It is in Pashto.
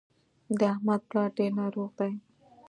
د احمد پلار ډېر ناروغ دی.